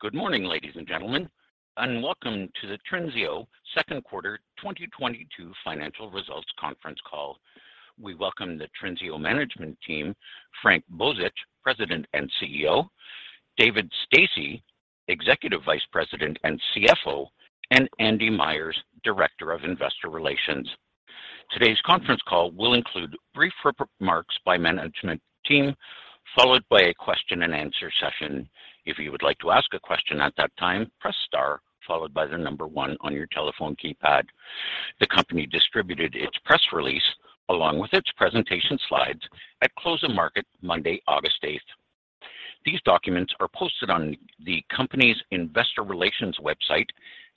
Good morning, ladies and gentlemen, and welcome to the Trinseo Q2 2022 Financial Results Conference Call. We welcome the Trinseo management team, Frank Bozich, President and CEO, David Stasse, Executive Vice President and CFO, and Andy Myers, Director of Investor Relations. Today's conference call will include brief remarks by management team, followed by a question and answer session. If you would like to ask a question at that time, press star followed by the one on your telephone keypad. The company distributed its press release along with its presentation slides at close of market Monday, August 8. These documents are posted on the company's investor relations website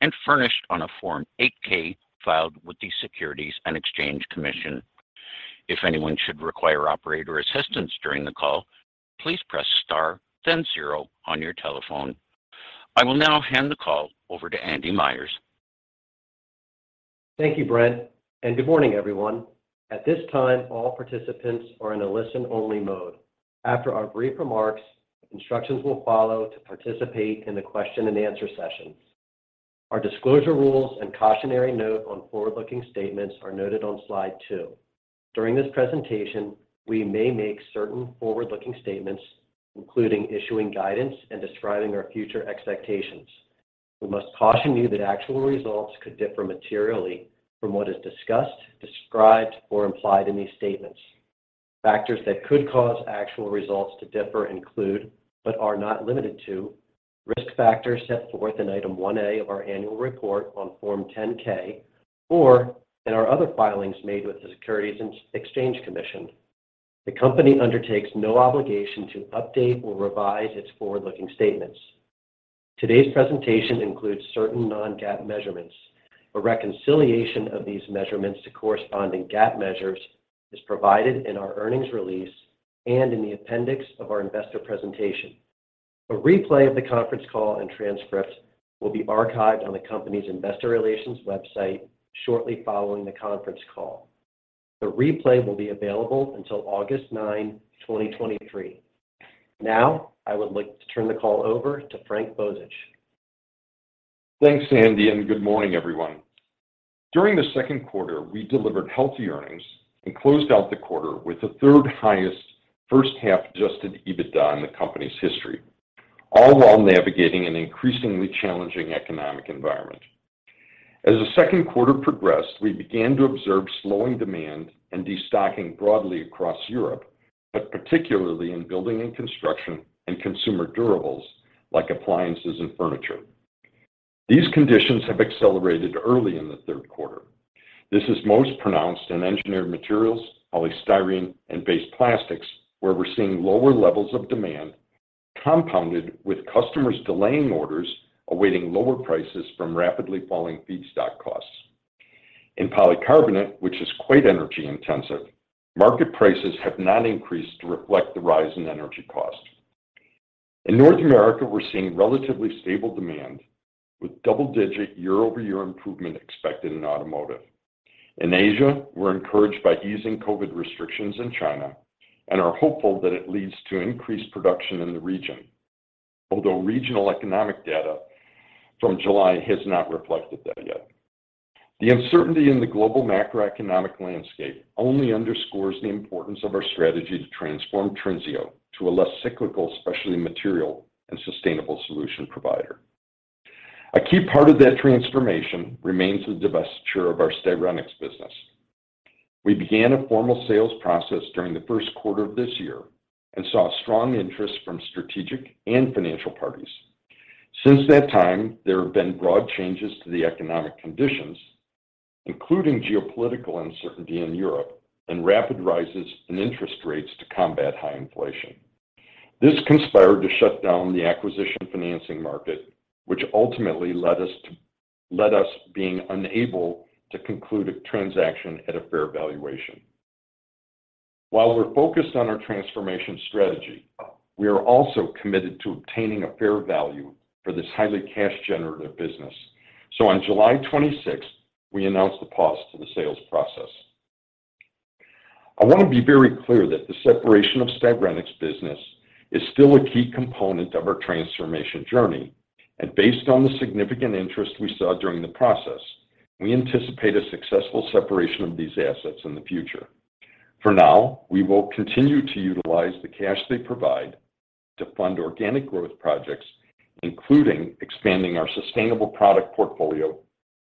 and furnished on a Form 8-K filed with the Securities and Exchange Commission. If anyone should require operator assistance during the call, please press star then zero on your telephone. I will now hand the call over to Andy Myers. Thank you, Brent, and good morning, everyone. At this time, all participants are in a listen-only mode. After our brief remarks, instructions will follow to participate in the question and answer sessions. Our disclosure rules and cautionary note on forward-looking statements are noted on slide two. During this presentation, we may make certain forward-looking statements, including issuing guidance and describing our future expectations. We must caution you that actual results could differ materially from what is discussed, described, or implied in these statements. Factors that could cause actual results to differ include, but are not limited to risk factors set forth in Item 1A of our annual report on Form 10-K or in our other filings made with the Securities and Exchange Commission. The company undertakes no obligation to update or revise its forward-looking statements. Today's presentation includes certain non-GAAP measurements. A reconciliation of these measurements to corresponding GAAP measures is provided in our earnings release and in the appendix of our investor presentation. A replay of the conference call and transcript will be archived on the company's investor relations website shortly following the conference call. The replay will be available until August nine, twenty twenty-three. Now, I would like to turn the call over to Frank Bozich. Thanks, Andy, and good morning, everyone. During the Q2, we delivered healthy earnings and closed out the quarter with the third highest first half adjusted EBITDA in the company's history, all while navigating an increasingly challenging economic environment. As the Q2 progressed, we began to observe slowing demand and destocking broadly across Europe, but particularly in building and construction and consumer durables like appliances and furniture. These conditions have accelerated early in the Q3. This is most pronounced in engineered materials, polystyrene and base plastics, where we're seeing lower levels of demand compounded with customers delaying orders, awaiting lower prices from rapidly falling feedstock costs. In polycarbonate, which is quite energy-intensive, market prices have not increased to reflect the rise in energy costs. In North America, we're seeing relatively stable demand with double-digit year-over-year improvement expected in automotive. In Asia, we're encouraged by easing COVID restrictions in China and are hopeful that it leads to increased production in the region, although regional economic data from July has not reflected that yet. The uncertainty in the global macroeconomic landscape only underscores the importance of our strategy to transform Trinseo to a less cyclical, specialty material and sustainable solution provider. A key part of that transformation remains the divestiture of our Styrenics business. We began a formal sales process during the Q1 of this year and saw strong interest from strategic and financial parties. Since that time, there have been broad changes to the economic conditions, including geopolitical uncertainty in Europe and rapid rises in interest rates to combat high inflation. This conspired to shut down the acquisition financing market, which ultimately led to us being unable to conclude a transaction at a fair valuation. While we're focused on our transformation strategy, we are also committed to obtaining a fair value for this highly cash-generative business. On July 26th, we announced a pause to the sales process. I want to be very clear that the separation of Styrenics business is still a key component of our transformation journey. Based on the significant interest we saw during the process, we anticipate a successful separation of these assets in the future. For now, we will continue to utilize the cash they provide to fund organic growth projects, including expanding our sustainable product portfolio,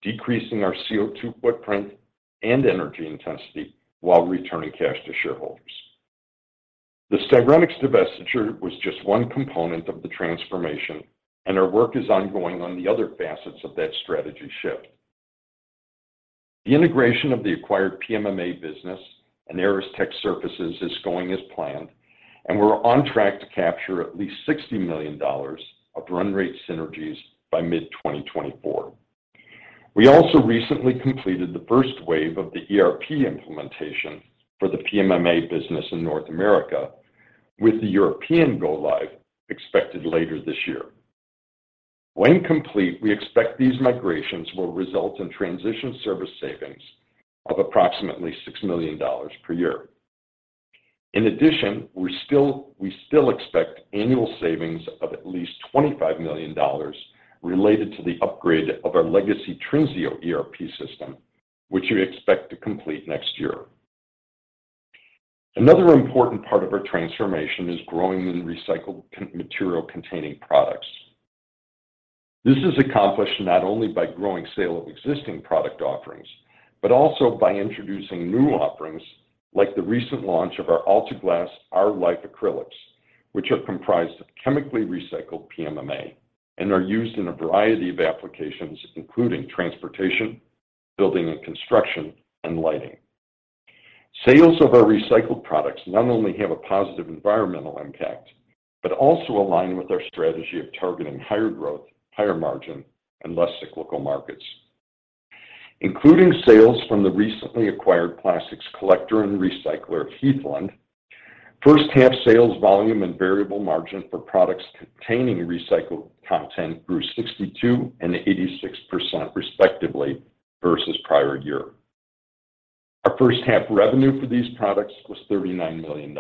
decreasing our CO₂ footprint and energy intensity while returning cash to shareholders. The Styrenics divestiture was just one component of the transformation, and our work is ongoing on the other facets of that strategy shift. The integration of the acquired PMMA business and Aristech Surfaces is going as planned, and we're on track to capture at least $60 million of run rate synergies by mid-2024. We also recently completed the first wave of the ERP implementation for the PMMA business in North America, with the European go live expected later this year. When complete, we expect these migrations will result in transition service savings of approximately $6 million per year. In addition, we still expect annual savings of at least $25 million related to the upgrade of our legacy Trinseo ERP system, which we expect to complete next year. Another important part of our transformation is growing in recycled PMMA-containing products. This is accomplished not only by growing sale of existing product offerings, but also by introducing new offerings like the recent launch of our ALTUGLAS R-Life acrylics, which are comprised of chemically recycled PMMA and are used in a variety of applications, including transportation, building and construction, and lighting. Sales of our recycled products not only have a positive environmental impact, but also align with our strategy of targeting higher growth, higher margin, and less cyclical markets. Including sales from the recently acquired plastics collector and recycler, Heathland, first half sales volume and variable margin for products containing recycled content grew 62% and 86% respectively versus prior year. Our first half revenue for these products was $39 million.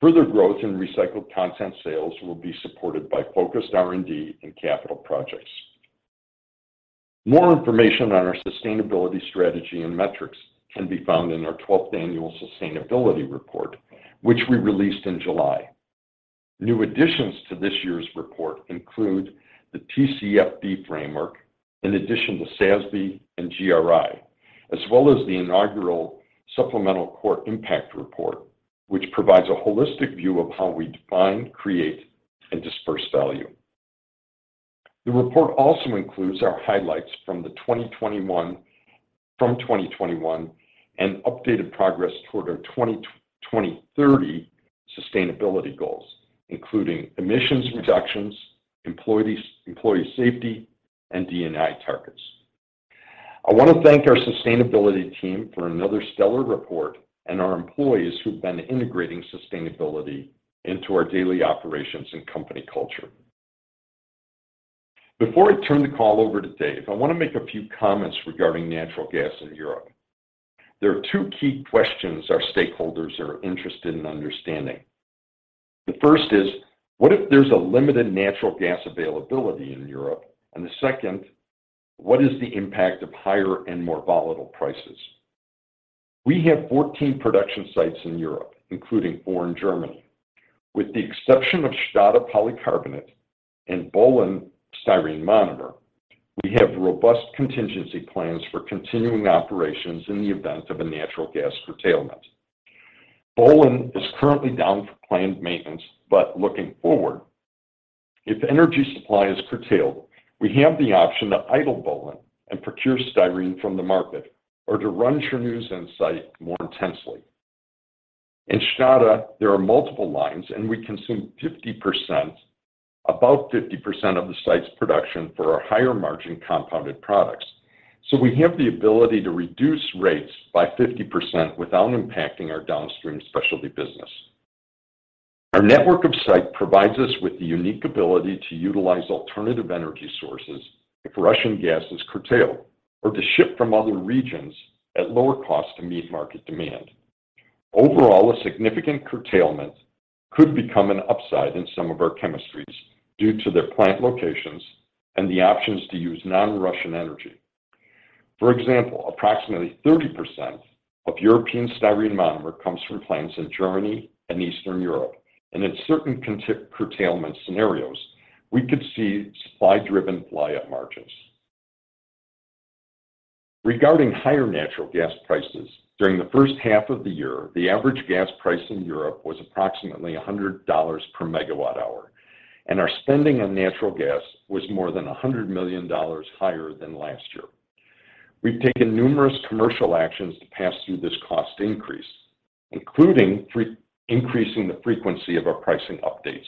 Further growth in recycled content sales will be supported by focused R&D and capital projects. More information on our sustainability strategy and metrics can be found in our twelfth Annual Sustainability Report, which we released in July. New additions to this year's report include the TCFD framework, in addition to SASB and GRI, as well as the inaugural Supplemental Core Impact Report, which provides a holistic view of how we define, create, and disperse value. The report also includes our highlights from 2021 and updated progress toward our 2020-2030 sustainability goals, including emissions reductions, employee safety, and D&I targets. I want to thank our sustainability team for another stellar report and our employees who've been integrating sustainability into our daily operations and company culture. Before I turn the call over to Dave, I want to make a few comments regarding natural gas in Europe. There are two key questions our stakeholders are interested in understanding. The first is, what if there's a limited natural gas availability in Europe? The second, what is the impact of higher and more volatile prices? We have 14 production sites in Europe, including 4 in Germany. With the exception of Stade Polycarbonate and Böhlen Styrene Monomer, we have robust contingency plans for continuing operations in the event of a natural gas curtailment. Böhlen is currently down for planned maintenance, but looking forward. If energy supply is curtailed, we have the option to idle Böhlen and procure styrene from the market or to run Terneuzen site more intensely. In Stade, there are multiple lines, and we consume 50%—about 50% of the site's production for our higher-margin compounded products. We have the ability to reduce rates by 50% without impacting our downstream specialty business. Our network of sites provides us with the unique ability to utilize alternative energy sources if Russian gas is curtailed or to ship from other regions at lower cost to meet market demand. Overall, a significant curtailment could become an upside in some of our chemistries due to their plant locations and the options to use non-Russian energy. For example, approximately 30% of European styrene monomer comes from plants in Germany and Eastern Europe, and in certain curtailment scenarios, we could see supply-driven fly up margins. Regarding higher natural gas prices, during the first half of the year, the average gas price in Europe was approximately $100 per megawatt hour, and our spending on natural gas was more than $100 million higher than last year. We've taken numerous commercial actions to pass through this cost increase, including increasing the frequency of our pricing updates.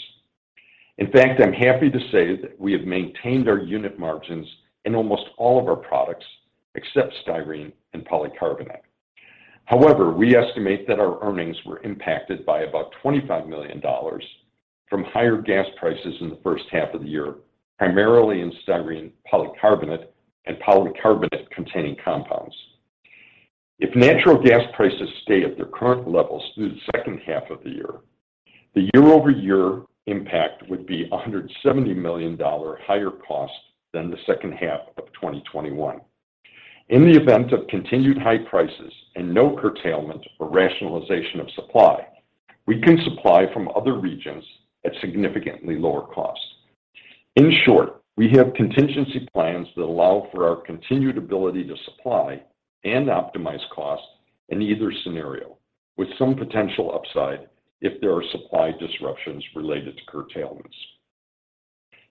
In fact, I'm happy to say that we have maintained our unit margins in almost all of our products except styrene and polycarbonate. However, we estimate that our earnings were impacted by about $25 million from higher gas prices in the first half of the year, primarily in styrene, polycarbonate, and polycarbonate-containing compounds. If natural gas prices stay at their current levels through the second half of the year, the year-over-year impact would be $170 million dollar higher cost than the second half of 2021. In the event of continued high prices and no curtailment or rationalization of supply, we can supply from other regions at significantly lower costs. In short, we have contingency plans that allow for our continued ability to supply and optimize costs in either scenario, with some potential upside if there are supply disruptions related to curtailments.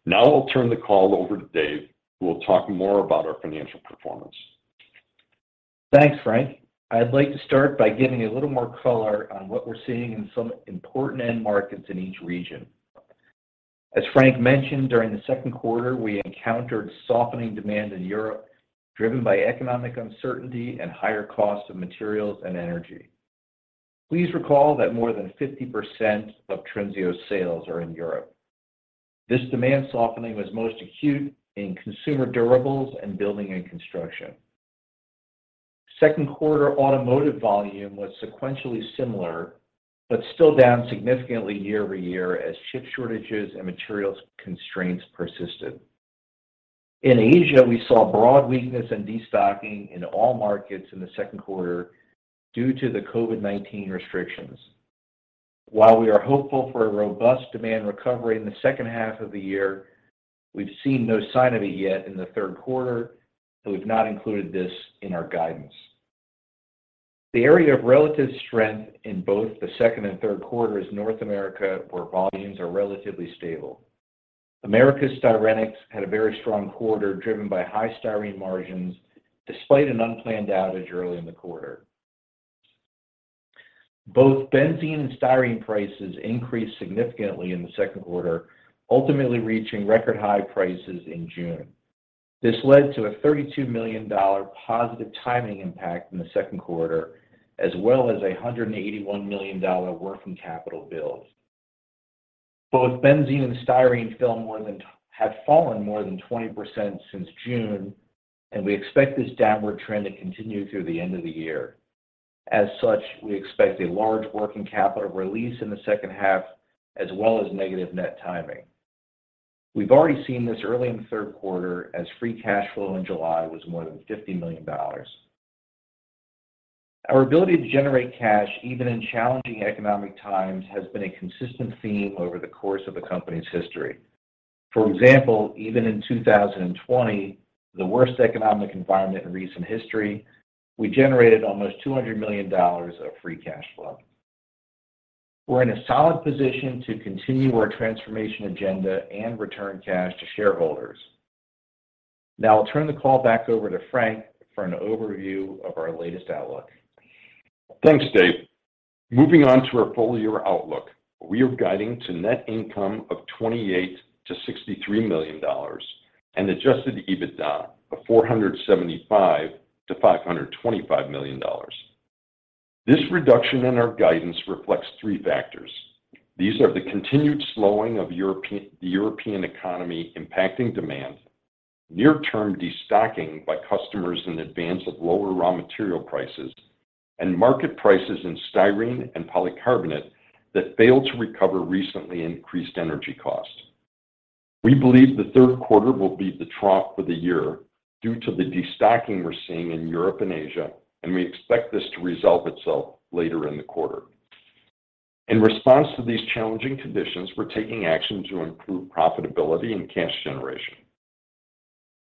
Now I'll turn the call over to Dave, who will talk more about our financial performance. Thanks, Frank. I'd like to start by giving a little more color on what we're seeing in some important end markets in each region. As Frank mentioned, during the Q2, we encountered softening demand in Europe, driven by economic uncertainty and higher costs of materials and energy. Please recall that more than 50% of Trinseo's sales are in Europe. This demand softening was most acute in consumer durables and building and construction. Q2 automotive volume was sequentially similar, but still down significantly year-over-year as chip shortages and materials constraints persisted. In Asia, we saw broad weakness in destocking in all markets in the Q2 due to the COVID-19 restrictions. While we are hopeful for a robust demand recovery in the second half of the year, we've seen no sign of it yet in the Q3, so we've not included this in our guidance. The area of relative strength in both the second and Q3 is North America, where volumes are relatively stable. Americas Styrenics had a very strong quarter, driven by high styrene margins despite an unplanned outage early in the quarter. Both benzene and styrene prices increased significantly in the Q2, ultimately reaching record high prices in June. This led to a $32 million positive timing impact in the Q2, as well as a $181 million working capital build. Both benzene and styrene have fallen more than 20% since June, and we expect this downward trend to continue through the end of the year. As such, we expect a large working capital release in the second half, as well as negative net timing. We've already seen this early in the Q3, as free cash flow in July was more than $50 million. Our ability to generate cash even in challenging economic times has been a consistent theme over the course of the company's history. For example, even in 2020, the worst economic environment in recent history, we generated almost $200 million of free cash flow. We're in a solid position to continue our transformation agenda and return cash to shareholders. Now I'll turn the call back over to Frank for an overview of our latest outlook. Thanks, Dave. Moving on to our full year outlook. We are guiding to net income of $28 million-$63 million and adjusted EBITDA of $475 million-$525 million. This reduction in our guidance reflects three factors. These are the continued slowing of the European economy impacting demand, near-term destocking by customers in advance of lower raw material prices, and market prices in styrene and polycarbonate that failed to recover recently increased energy costs. We believe the Q3 will be the trough for the year due to the destocking we're seeing in Europe and Asia, and we expect this to resolve itself later in the quarter. In response to these challenging conditions, we're taking action to improve profitability and cash generation.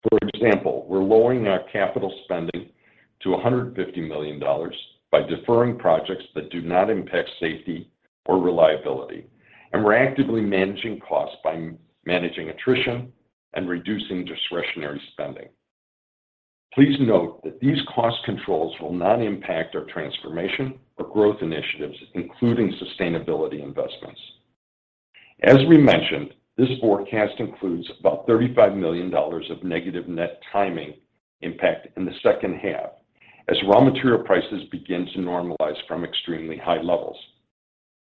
For example, we're lowering our capital spending to $150 million by deferring projects that do not impact safety or reliability. We're actively managing costs by managing attrition and reducing discretionary spending. Please note that these cost controls will not impact our transformation or growth initiatives, including sustainability investments. As we mentioned, this forecast includes about $35 million of negative net timing impact in the second half as raw material prices begin to normalize from extremely high levels.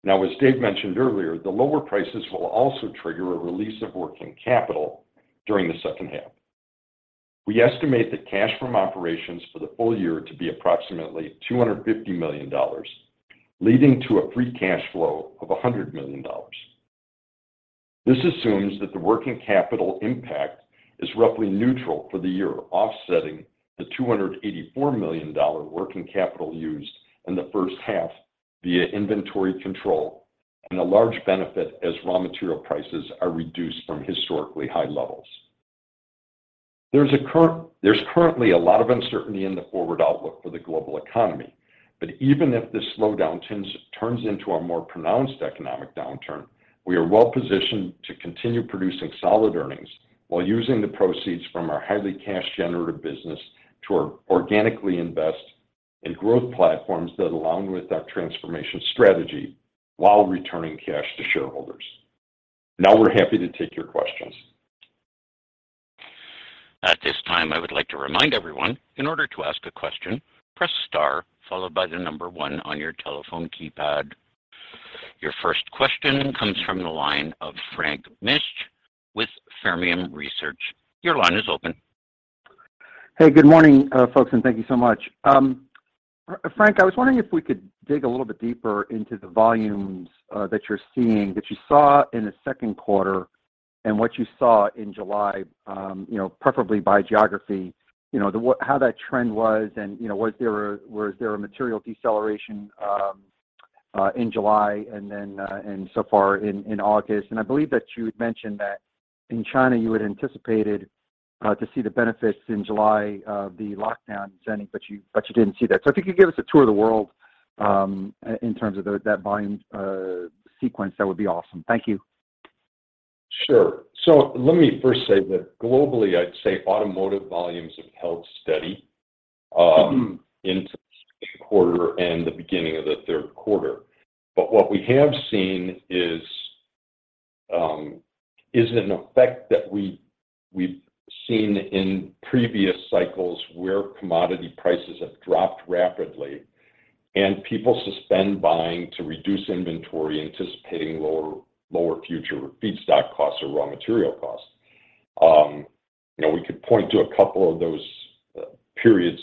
Now, as Dave mentioned earlier, the lower prices will also trigger a release of working capital during the second half. We estimate that cash from operations for the full year to be approximately $250 million, leading to a free cash flow of $100 million. This assumes that the working capital impact is roughly neutral for the year, offsetting the $284 million working capital used in the first half via inventory control and a large benefit as raw material prices are reduced from historically high levels. There's currently a lot of uncertainty in the forward outlook for the global economy. Even if this slowdown turns into a more pronounced economic downturn, we are well-positioned to continue producing solid earnings while using the proceeds from our highly cash generative business to organically invest in growth platforms that, along with our transformation strategy, while returning cash to shareholders. Now we're happy to take your questions. At this time, I would like to remind everyone, in order to ask a question, press star followed by the number one on your telephone keypad. Your first question comes from the line of Frank Mitsch with Fermium Research. Your line is open. Hey, good morning, folks, and thank you so much. Frank, I was wondering if we could dig a little bit deeper into the volumes that you're seeing, that you saw in the Q2 and what you saw in July, you know, preferably by geography. You know, how that trend was and, you know, was there a material deceleration in July and then and so far in August? I believe that you had mentioned that in China you had anticipated to see the benefits in July of the lockdown ending, but you didn't see that. If you could give us a tour of the world in terms of that volume sequence, that would be awesome. Thank you. Sure. Let me first say that globally I'd say automotive volumes have held steady into the Q2 and the beginning of the Q3. What we have seen is an effect that we've seen in previous cycles where commodity prices have dropped rapidly and people suspend buying to reduce inventory, anticipating lower future feedstock costs or raw material costs. You know, we could point to a couple of those periods,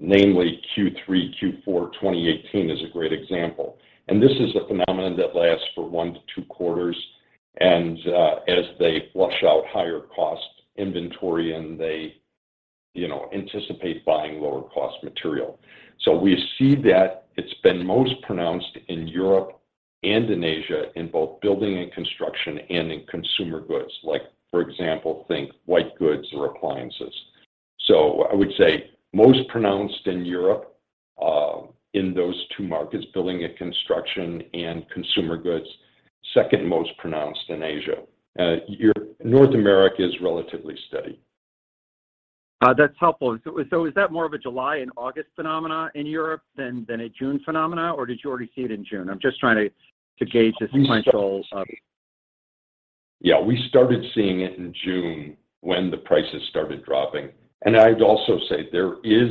namely Q3, Q4, 2018 is a great example. This is a phenomenon that lasts for one to two quarters. As they flush out higher cost inventory and they, you know, anticipate buying lower cost material. We see that it's been most pronounced in Europe and in Asia, in both building and construction and in consumer goods. Like for example, think white goods or appliances. I would say most pronounced in Europe, in those two markets, building and construction and consumer goods. Second most pronounced in Asia. North America is relatively steady. That's helpful. Is that more of a July and August phenomena in Europe than a June phenomena? Or did you already see it in June? I'm just trying to gauge this in my soul. Yeah, we started seeing it in June when the prices started dropping. I'd also say there is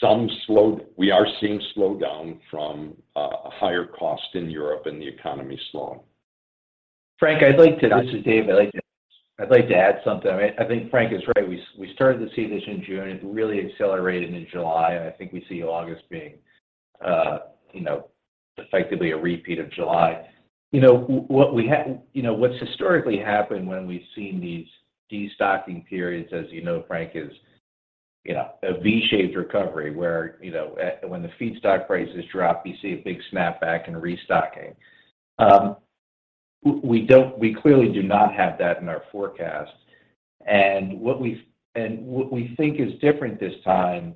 some slowdown from higher cost in Europe and the economy slowing. Frank, this is Dave. I'd like to add something. I think Frank is right. We started to see this in June. It really accelerated in July. I think we see August being, you know, effectively a repeat of July. You know, what's historically happened when we've seen these destocking periods, as you know, Frank, is, you know, a V-shaped recovery where, you know, when the feedstock prices drop, you see a big snapback and restocking. We clearly do not have that in our forecast. What we think is different this time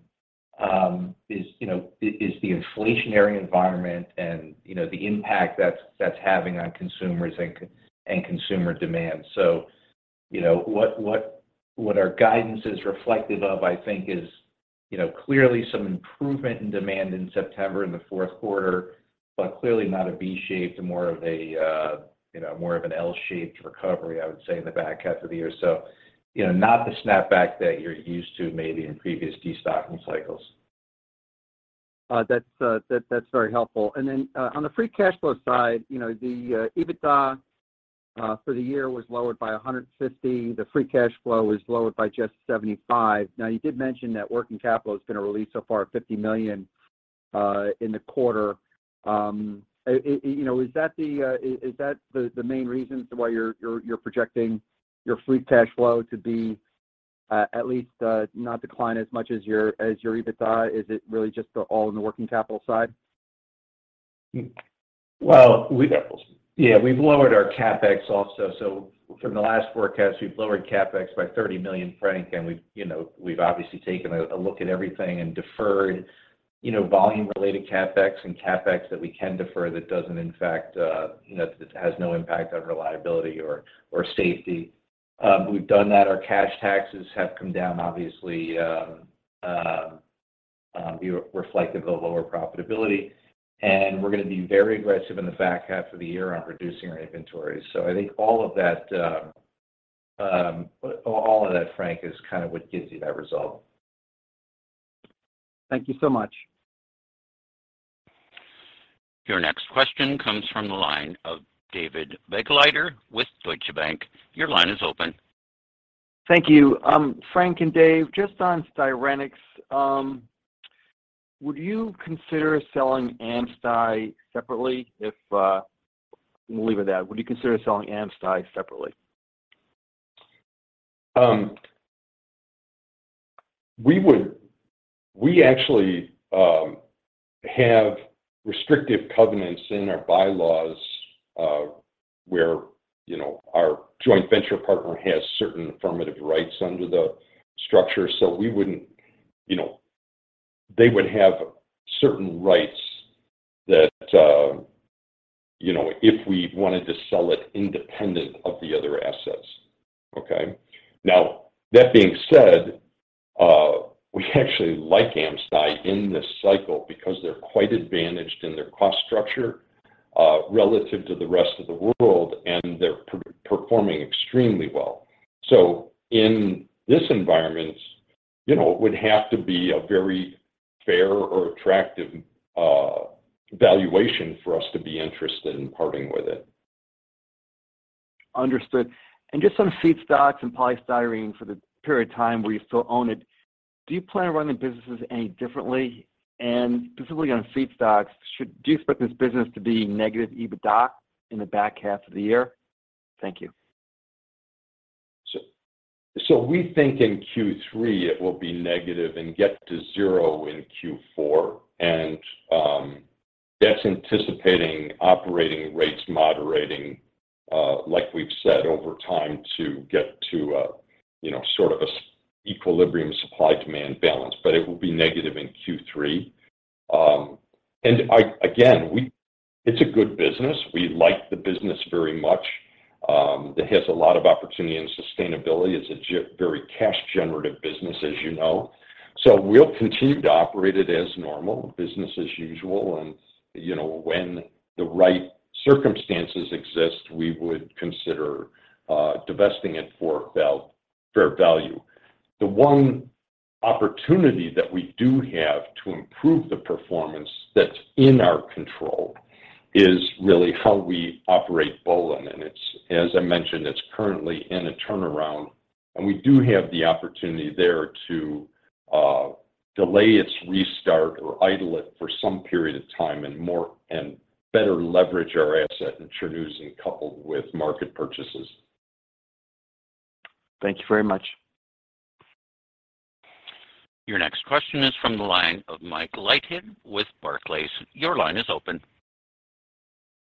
is, you know, the inflationary environment and, you know, the impact that's having on consumers and consumer demand. You know, what our guidance is reflective of, I think, is, you know, clearly some improvement in demand in September, in the Q4, but clearly not a V-shaped, more of a, you know, more of an L-shaped recovery, I would say, in the back half of the year. You know, not the snapback that you're used to maybe in previous destocking cycles. That's very helpful. On the free cash flow side, you know, the EBITDA for the year was lowered by $150. The free cash flow was lowered by just $75. Now, you did mention that working capital has been released so far $50 million in the quarter. You know, is that the main reason why you're projecting your free cash flow to be at least not decline as much as your EBITDA? Is it really just all in the working capital side? We've lowered our CapEx also. From the last forecast, we've lowered CapEx by $30 million, Frank, and we've obviously taken a look at everything and deferred volume-related CapEx and CapEx that we can defer that has no impact on reliability or safety. We've done that. Our cash taxes have come down, obviously, reflective of lower profitability. We're gonna be very aggressive in the back half of the year on reducing our inventory. I think all of that, Frank, is kind of what gives you that result. Thank you so much. Your next question comes from the line of David Begleiter with Deutsche Bank. Your line is open. Thank you. Frank and Dave, just on Styrenics, would you consider selling AmSty separately? We actually have restrictive covenants in our bylaws, where, you know, our joint venture partner has certain affirmative rights under the structure. We wouldn't, you know. They would have certain rights that, you know, if we wanted to sell it independent of the other assets. Okay. Now, that being said, we actually like AmSty in this cycle because they're quite advantaged in their cost structure, relative to the rest of the world, and they're performing extremely well. In this environment, you know, it would have to be a very fair or attractive, valuation for us to be interested in parting with it. Understood. Just on feedstocks and polystyrene for the period of time where you still own it, do you plan on running the businesses any differently? Specifically on feedstocks, do you expect this business to be negative EBITDA in the back half of the year? Thank you. We think in Q3 it will be negative and get to zero in Q4. That's anticipating operating rates moderating, like we've said, over time to get to a sort of a equilibrium supply-demand balance. But it will be negative in Q3. Again, it's a good business. We like the business very much. It has a lot of opportunity and sustainability. It's a very cash generative business, as you know. We'll continue to operate it as normal, business as usual. When the right circumstances exist, we would consider divesting it for fair value. The one opportunity that we do have to improve the performance that's in our control is really how we operate Böhlen. It's as I mentioned, it's currently in a turnaround, and we do have the opportunity there to delay its restart or idle it for some period of time and more and better leverage our asset in Terneuzen coupled with market purchases. Thank you very much. Your next question is from the line of Mike Leithead with Barclays. Your line is open.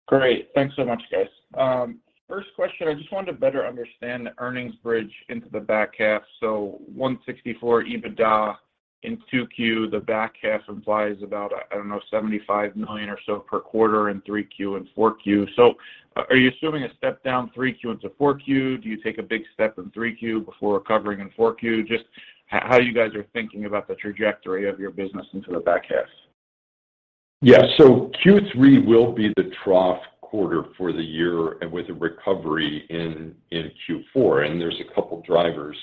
Great. Thanks so much, guys. First question, I just wanted to better understand the earnings bridge into the back half. 164 EBITDA in 2Q, the back half implies about, I don't know, $75 million or so per quarter in 3Q and 4Q. Are you assuming a step down 3Q into 4Q? Do you take a big step in 3Q before recovering in 4Q? Just how you guys are thinking about the trajectory of your business into the back half. Yeah. Q3 will be the trough quarter for the year and with a recovery in Q4, and there's a couple drivers.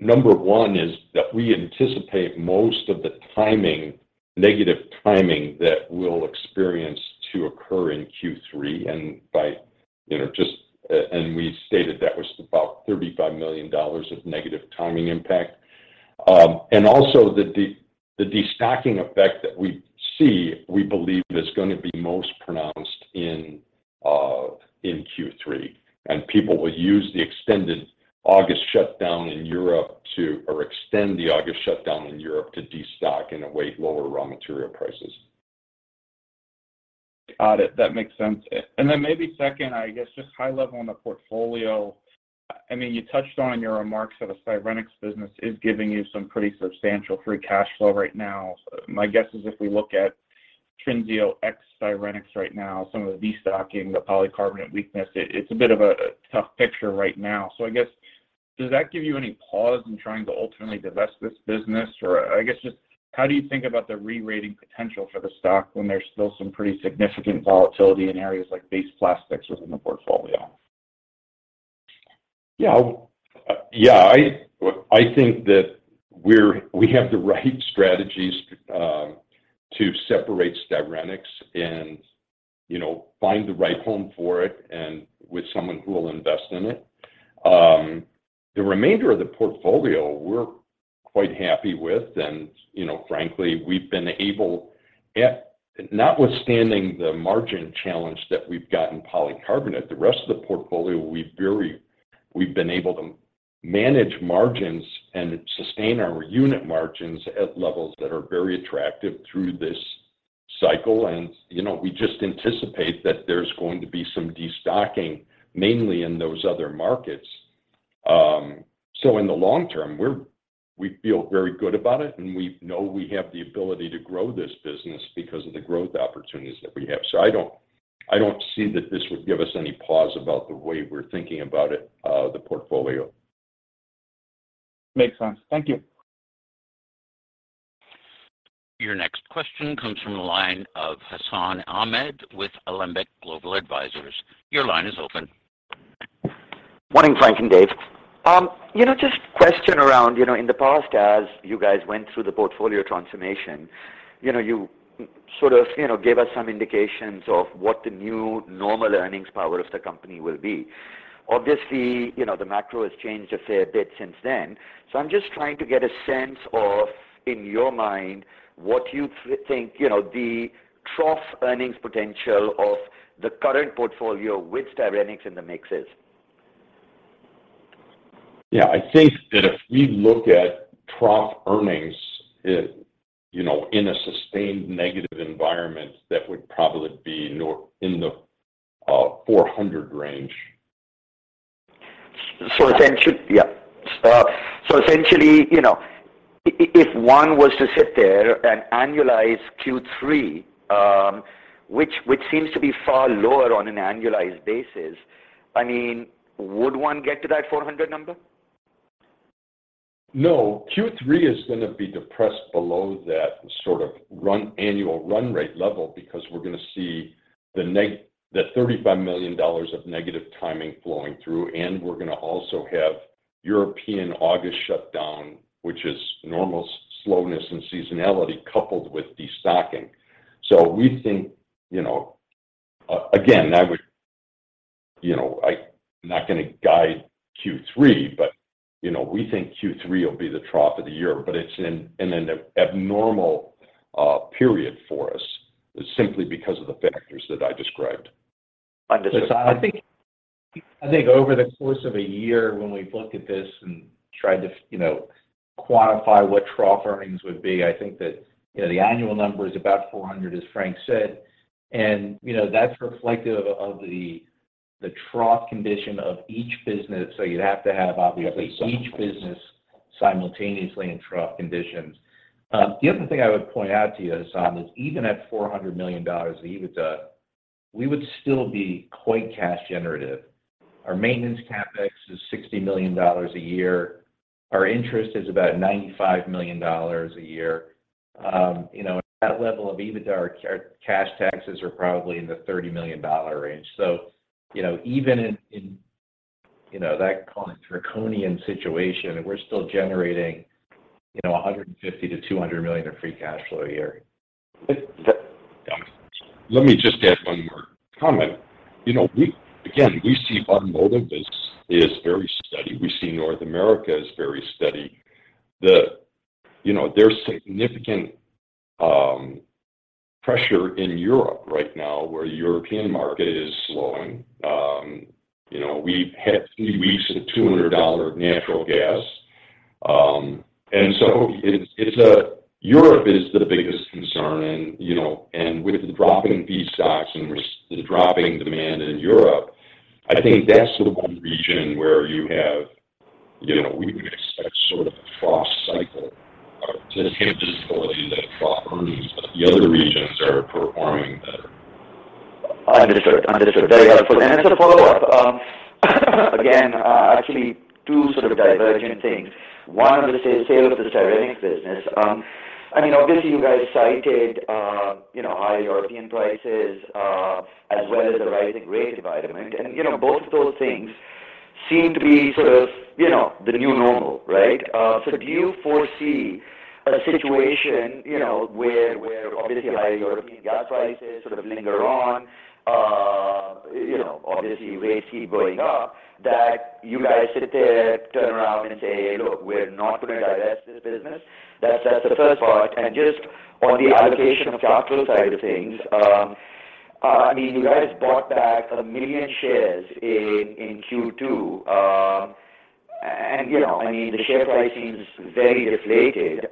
Number one is that we anticipate most of the timing, negative timing that we'll experience to occur in Q3. We stated that was about $35 million of negative timing impact. And also the destocking effect that we see, we believe is gonna be most pronounced in Q3. People will use the extended August shutdown in Europe to extend the August shutdown in Europe to destock and await lower raw material prices. Got it. That makes sense. Then maybe second, I guess, just high level on the portfolio. I mean, you touched on in your remarks that the Styrenics business is giving you some pretty substantial free cash flow right now. My guess is if we look at Trinseo ex Styrenics right now, some of the destocking, the polycarbonate weakness, it's a bit of a tough picture right now. I guess, does that give you any pause in trying to ultimately divest this business? I guess just how do you think about the re-rating potential for the stock when there's still some pretty significant volatility in areas like base plastics within the portfolio? Yeah, I think that we have the right strategies to separate Styrenics and, you know, find the right home for it and with someone who will invest in it. The remainder of the portfolio, we're quite happy with. You know, frankly, we've been able, notwithstanding the margin challenge that we've got in polycarbonate, the rest of the portfolio, we've been able to manage margins and sustain our unit margins at levels that are very attractive through this cycle. You know, we just anticipate that there's going to be some destocking mainly in those other markets. In the long term, we feel very good about it, and we know we have the ability to grow this business because of the growth opportunities that we have. I don't see that this would give us any pause about the way we're thinking about it, the portfolio. Makes sense. Thank you. Your next question comes from the line of Hassan Ahmed with Alembic Global Advisors. Your line is open. Morning, Frank and Dave. You know, just question around, you know, in the past, as you guys went through the portfolio transformation, you know, you sort of, you know, gave us some indications of what the new normal earnings power of the company will be. Obviously, you know, the macro has changed a fair bit since then. I'm just trying to get a sense of, in your mind, what you think, you know, the trough earnings potential of the current portfolio with Styrenics in the mix is. Yeah. I think that if we look at trough earnings in, you know, in a sustained negative environment, that would probably be in the $400 range. Essentially, yeah. Essentially, you know, if one was to sit there and annualize Q3, which seems to be far lower on an annualized basis, I mean, would one get to that $400 number? No. Q3 is gonna be depressed below that sort of annual run rate level because we're gonna see the $35 million of negative timing flowing through, and we're gonna also have European August shutdown, which is normal slowness and seasonality coupled with destocking. We think, you know, again, I would, you know. I'm not gonna guide Q3, but, you know, we think Q3 will be the trough of the year, but it's in an abnormal period for us simply because of the factors that I described. Understood. Hassan, I think over the course of a year when we've looked at this and tried to, you know, quantify what trough earnings would be, I think that, you know, the annual number is about 400, as Frank said. You know, that's reflective of the trough condition of each business. You'd have to have obviously each business simultaneously in trough conditions. The other thing I would point out to you, Hassan, is even at $400 million EBITDA, we would still be quite cash generative. Our maintenance CapEx is $60 million a year. Our interest is about $95 million a year. You know, at that level of EBITDA, our cash taxes are probably in the $30 million range. You know, even in you know, that kind of draconian situation, we're still generating, you know, $150 million-$200 million in free cash flow a year. Let me just add one more comment. You know, we again see automotive is very steady. We see North America as very steady. You know, there's significant pressure in Europe right now where the European market is slowing. You know, we've had 3 weeks of $200 natural gas. And so it's Europe is the biggest concern and, you know, and with the dropping demand in Europe, I think that's the one region where you have, you know, we would expect sort of a trough cycle or potential difficulty that trough earnings, but the other regions are performing better. Understood. Very helpful. As a follow-up, again, actually two sort of divergent things. One on the sale of the Styrenics business. I mean, obviously you guys cited, you know, high European prices, as well as the rising rate environment. You know, both of those things seem to be sort of, you know, the new normal, right? So do you foresee a situation, you know, where obviously high European gas prices sort of linger on, you know, obviously rates keep going up, that you guys sit there, turn around and say, "Look, we're not gonna divest this business." That's the first part. Just on the allocation of capital side of things, I mean, you guys bought back 1 million shares in Q2. You know, I mean, the share price seems very deflated.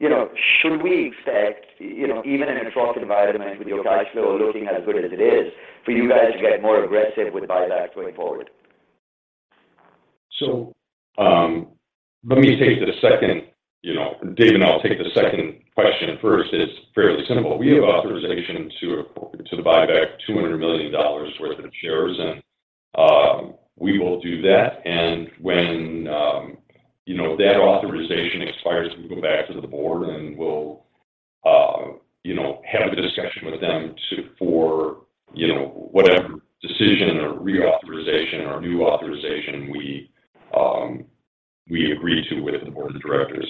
You know, should we expect, you know, even in a trough environment with your cash flow looking as good as it is, for you guys to get more aggressive with buybacks going forward? Let me take the second, you know. Dave and I will take the second question first. It's fairly simple. We have authorization to buy back $200 million worth of shares, and we will do that. When that authorization expires, we go back to the board and we'll have a discussion with them for whatever decision or reauthorization or new authorization we agree to with the board of directors.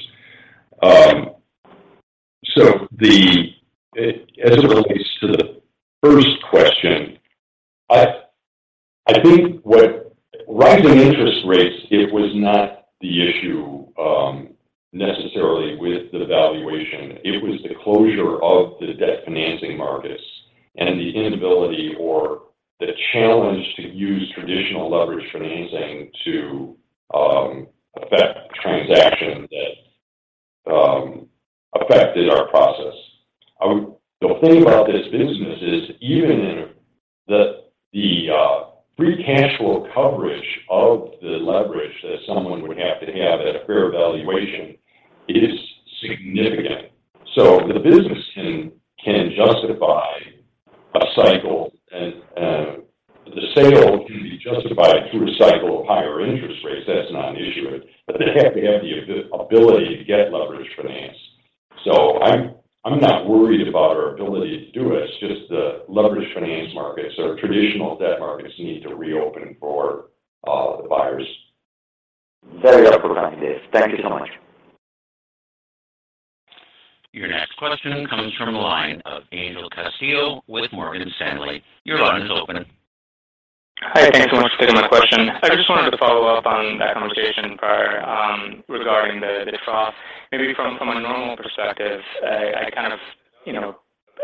As it relates to the first question, I think Rising interest rates, it was not the issue necessarily with the valuation. It was the closure of the debt financing markets and the inability or the challenge to use traditional leverage financing to effect transaction that affected our process. The thing about this business is even in the free cash flow coverage of the leverage that someone would have to have at a fair valuation is significant. The business can justify a cycle and the sale can be justified through a cycle of higher interest rates. That's not an issue. They have to have the ability to get leverage finance. I'm not worried about our ability to do it's just the leverage finance markets or traditional debt markets need to reopen for the buyers. Very helpful, kindly. Thank you so much. Your next question comes from the line of Angel Castillo with Morgan Stanley. Your line is open. Hi, thanks so much for taking my question. I just wanted to follow up on that conversation prior regarding the trough. Maybe from a normal perspective, I kind of, you know,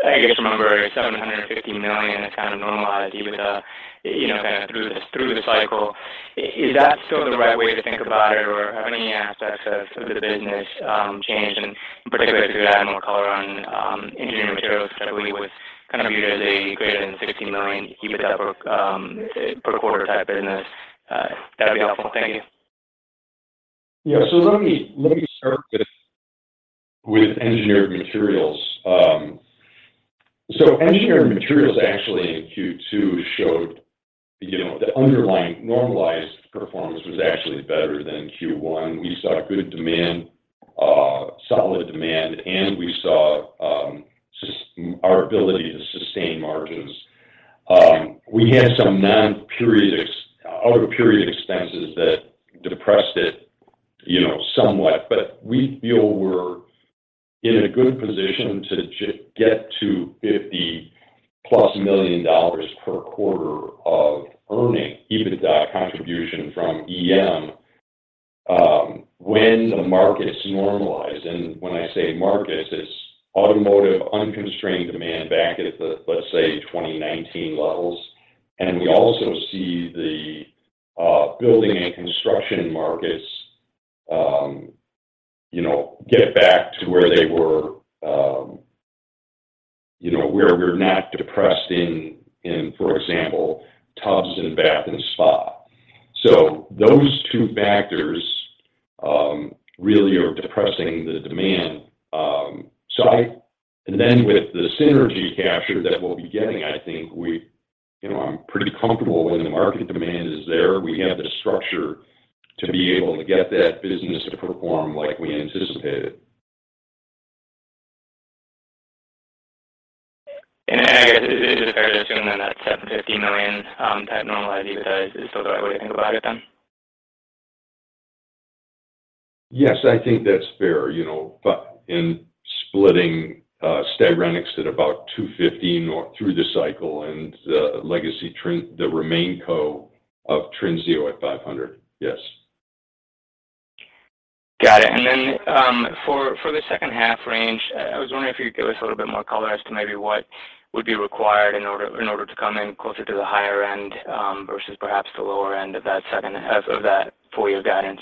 I guess remember $750 million is kind of normalized EBITDA, you know, kind of through the cycle. Is that still the right way to think about it or have any aspects of the business changed? Particularly if you could add more color on engineered materials, which I believe was kind of viewed as a greater than $60 million EBITDA per quarter type business. That'd be helpful. Thank you. Yeah. Let me start with engineered materials. Engineered materials actually in Q2 showed, you know, the underlying normalized performance was actually better than Q1. We saw good demand, solid demand, and we saw our ability to sustain margins. We had some out of period expenses that depressed it, you know, somewhat. We feel we're in a good position to get to $50+ million per quarter of EBITDA contribution from EM, when the markets normalize. When I say markets, it's automotive unconstrained demand back at the, let's say, 2019 levels. We also see the building and construction markets, you know, get back to where they were, you know, where we're not depressed in, for example, tubs and bath and spa. Those two factors really are depressing the demand. Then with the synergy capture that we'll be getting, I think, you know, I'm pretty comfortable when the market demand is there, we have the structure to be able to get that business to perform like we anticipated. I guess is it fair to assume then that $750 million typical normalized EBITDA is still the right way to think about it then? Yes, I think that's fair, you know, but in splitting Styrenics at about $215 or through the cycle and the legacy RemainCo of Trinseo at $500. Yes. Got it. For the second half range, I was wondering if you could give us a little bit more color as to maybe what would be required in order to come in closer to the higher end versus perhaps the lower end of that second half of that full year guidance.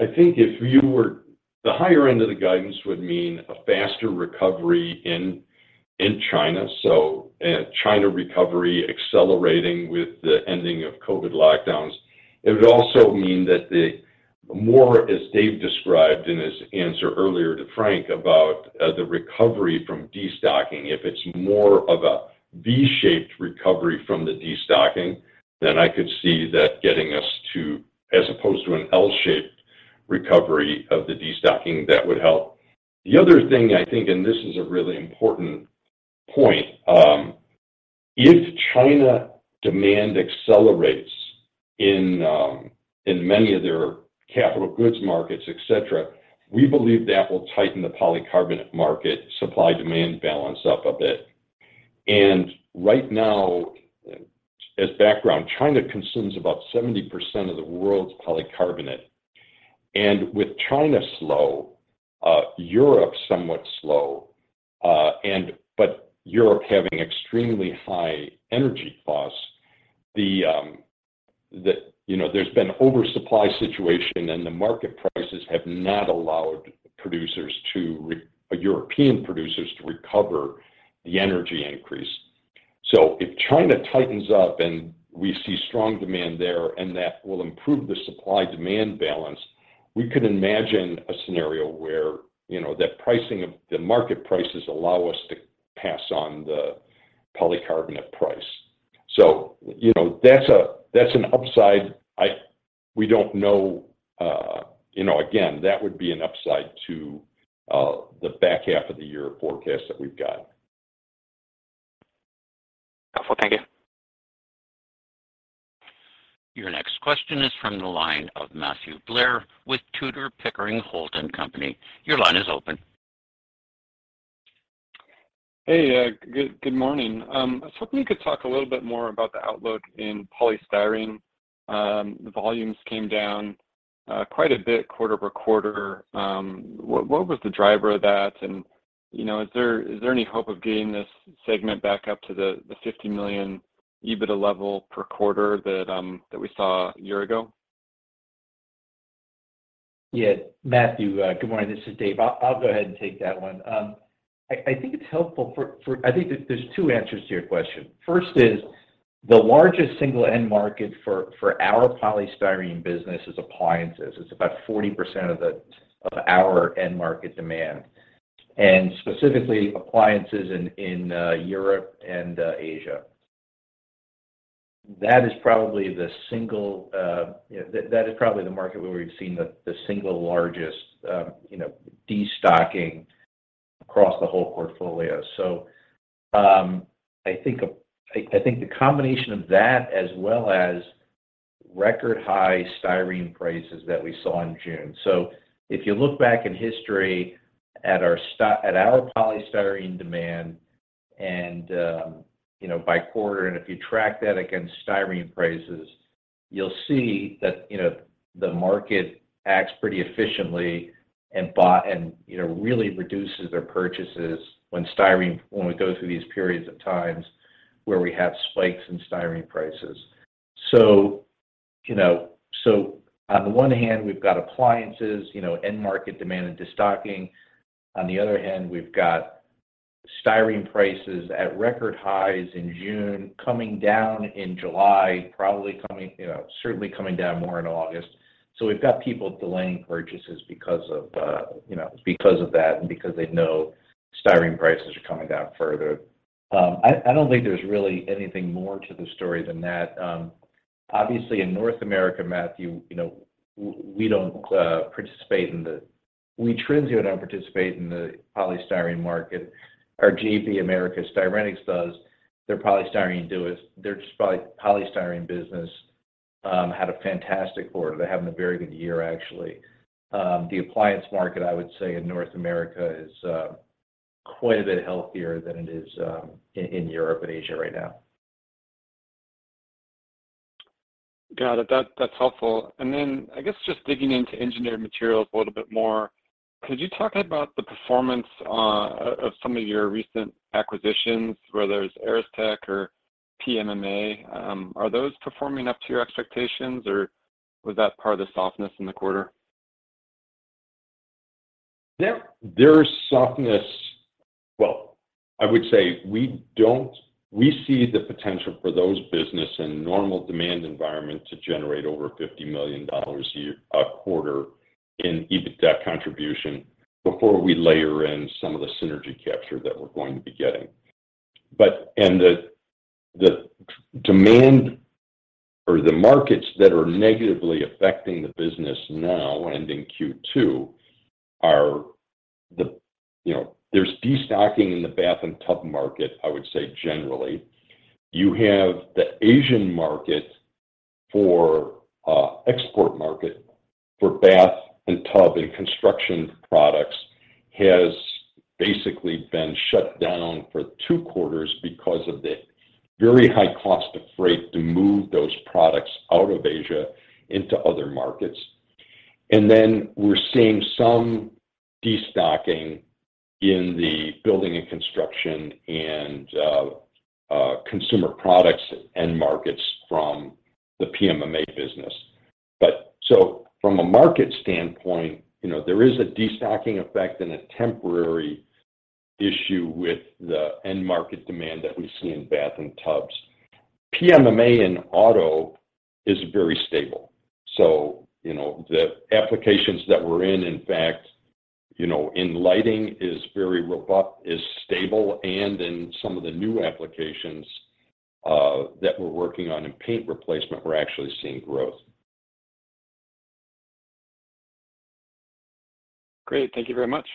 I think the higher end of the guidance would mean a faster recovery in China recovery accelerating with the ending of COVID lockdowns. It would also mean that the more, as Dave described in his answer earlier to Frank about, the recovery from destocking, if it's more of a V-shaped recovery from the destocking, then I could see that getting us to, as opposed to an L-shaped recovery of the destocking that would help. The other thing, I think, and this is a really important point, if China demand accelerates in many of their capital goods markets, et cetera, we believe that will tighten the polycarbonate market supply-demand balance up a bit. Right now, as background, China consumes about 70% of the world's polycarbonate. With China slow, Europe somewhat slow, and but Europe having extremely high energy costs, the, you know, there's been oversupply situation, and the market prices have not allowed European producers to recover the energy increase. If China tightens up, and we see strong demand there, and that will improve the supply-demand balance, we could imagine a scenario where, you know, that pricing of the market prices allow us to pass on the polycarbonate price. You know, that's an upside. We don't know, you know, again, that would be an upside to the back half of the year forecast that we've got. Helpful. Thank you. Your next question is from the line of Matthew Blair with Tudor, Pickering, Holt & Co. Your line is open. Hey, good morning. I was hoping you could talk a little bit more about the outlook in polystyrene. The volumes came down quite a bit quarter-over-quarter. What was the driver of that? You know, is there any hope of getting this segment back up to the $50 million EBITDA level per quarter that we saw a year ago? Matthew, good morning. This is Dave. I'll go ahead and take that one. I think it's helpful. I think there's two answers to your question. First is the largest single end market for our polystyrene business is appliances. It's about 40% of our end market demand, and specifically appliances in Europe and Asia. That is probably the single, you know, that is probably the market where we've seen the single largest, you know, destocking across the whole portfolio. I think the combination of that as well as record high styrene prices that we saw in June. If you look back in history at our polystyrene demand and, you know, by quarter, and if you track that against styrene prices, you'll see that, you know, the market acts pretty efficiently and, you know, really reduces their purchases when we go through these periods of times where we have spikes in styrene prices. You know, on the one hand, we've got appliances, you know, end market demand and destocking. On the other hand, we've got styrene prices at record highs in June, coming down in July, probably coming, you know, certainly coming down more in August. We've got people delaying purchases because of, you know, because of that and because they know styrene prices are coming down further. I don't think there's really anything more to the story than that. Obviously in North America, Matthew, you know, we Trinseo don't participate in the polystyrene market. Our JV Americas Styrenics does. Their polystyrene business had a fantastic quarter. They're having a very good year actually. The appliance market, I would say in North America is quite a bit healthier than it is in Europe and Asia right now. Got it. That's helpful. I guess just digging into engineered materials a little bit more. Could you talk about the performance of some of your recent acquisitions, whether it's Aristech or PMMA? Are those performing up to your expectations, or was that part of the softness in the quarter? We see the potential for those business in normal demand environment to generate over $50 million a year, quarter in EBITDA contribution before we layer in some of the synergy capture that we're going to be getting. The demand or the markets that are negatively affecting the business now and in Q2 are, you know, there's destocking in the bath and tub market, I would say generally. You have the Asian market for export market for bath and tub and construction products has basically been shut down for two quarters because of the very high cost of freight to move those products out of Asia into other markets. We're seeing some destocking in the building and construction and consumer products end markets from the PMMA business. From a market standpoint, you know, there is a destocking effect and a temporary issue with the end market demand that we see in bath and tubs. PMMA in auto is very stable. You know, the applications that we're in fact, you know, in lighting is very robust, is stable, and in some of the new applications, that we're working on in paint replacement, we're actually seeing growth. Great. Thank you very much.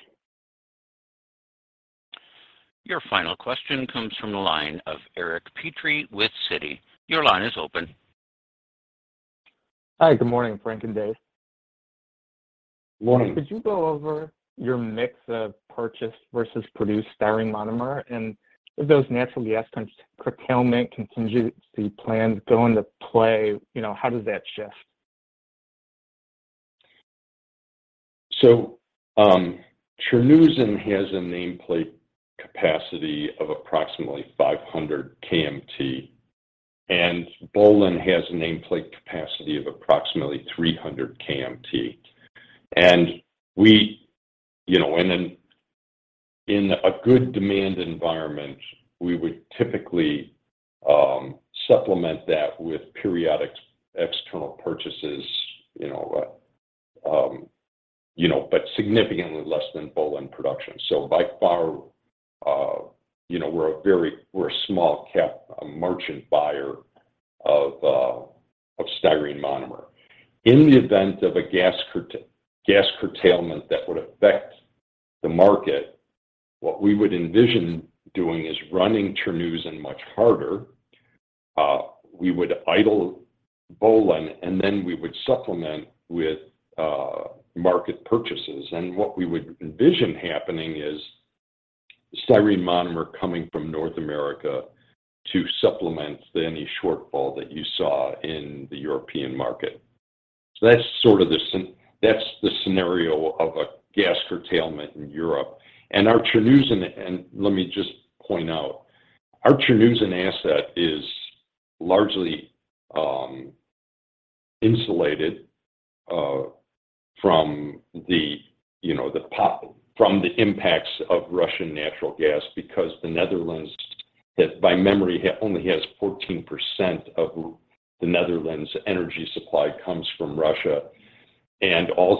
Your final question comes from the line of Eric Petrie with Citi. Your line is open. Hi, good morning, Frank and Dave. Morning. Could you go over your mix of purchase versus produced styrene monomer? If those natural gas curtailment contingency plans go into play, you know, how does that shift? Terneuzen has a nameplate capacity of approximately 500 KMT, and Böhlen has a nameplate capacity of approximately 300 KMT. You know, in a good demand environment, we would typically supplement that with periodic external purchases, you know, but significantly less than Böhlen production. By far, you know, we're a small cap merchant buyer of styrene monomer. In the event of a gas curtailment that would affect the market, what we would envision doing is running Terneuzen much harder. We would idle Böhlen, and then we would supplement with market purchases. What we would envision happening is styrene monomer coming from North America to supplement any shortfall that you saw in the European market. That's the scenario of a gas curtailment in Europe. Let me just point out, our Terneuzen asset is largely insulated from the, you know, from the impacts of Russian natural gas because the Netherlands has, by memory, only 14% of the Netherlands' energy supply comes from Russia.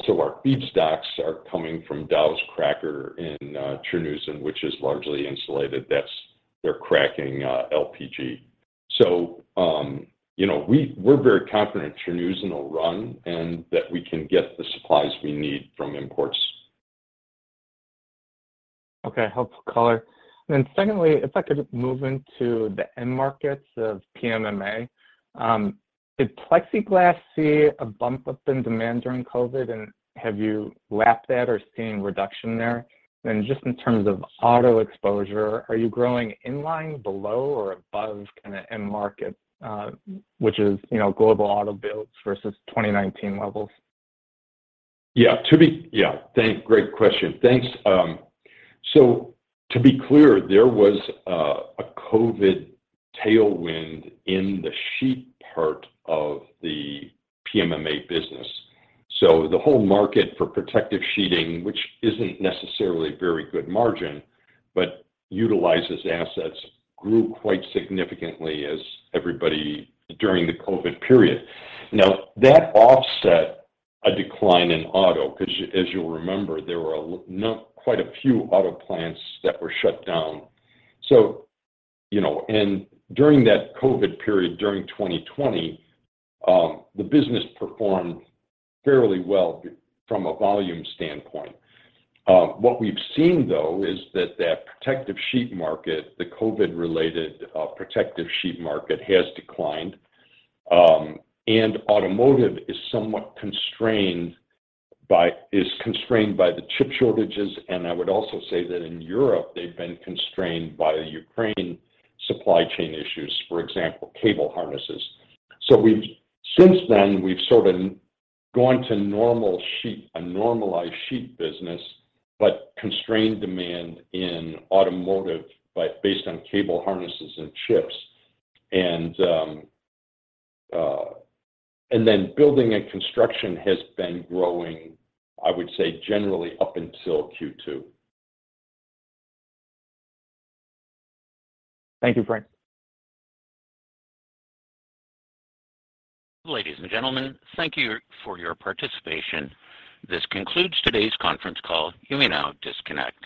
Our feedstocks are coming from Dow's cracker in Terneuzen, which is largely insulated. That's. They're cracking LPG. You know, we're very confident Terneuzen will run and that we can get the supplies we need from imports. Okay. Helpful color. Secondly, if I could move into the end markets of PMMA. Did PLEXIGLAS® see a bump up in demand during COVID? Have you lapped that or seen reduction there? Just in terms of auto exposure, are you growing in line below or above kinda end market, which is, you know, global auto builds versus 2019 levels? Yeah. Great question. Thanks. To be clear, there was a COVID tailwind in the sheet part of the PMMA business. The whole market for protective sheeting, which isn't necessarily very good margin, but utilizes assets, grew quite significantly as everybody during the COVID period. Now, that offset a decline in auto, 'cause as you'll remember, there were quite a few auto plants that were shut down. You know, during that COVID period, during 2020, the business performed fairly well from a volume standpoint. What we've seen, though, is that protective sheet market, the COVID-related protective sheet market, has declined. Automotive is constrained by the chip shortages. I would also say that in Europe, they've been constrained by the Ukraine supply chain issues, for example, cable harnesses. Since then, we've sort of gone to normal sheet, a normalized sheet business, but constrained demand in automotive based on cable harnesses and chips. Building and construction has been growing, I would say, generally up until Q2. Thank you, Frank. Ladies and gentlemen, thank you for your participation. This concludes today's conference call. You may now disconnect.